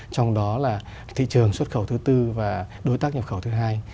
trong đó là thị trường xuất khẩu thứ tư và đối tác nhập khẩu thứ hai